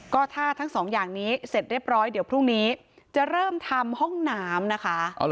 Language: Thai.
ก็ถ้าทั้งสองอย่างนี้เสร็จเรียบร้อยเดี๋ยวพรุ่งนี้จะเริ่มทำห้องน้ำนะคะ